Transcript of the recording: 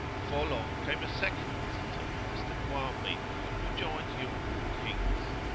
Before long came a second visitor, Mr Quarmby, who joined Yule and Hinks.